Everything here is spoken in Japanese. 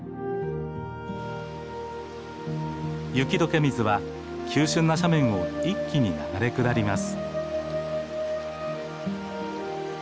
雪どけ水は急しゅんな斜面を一気に流れ下ります。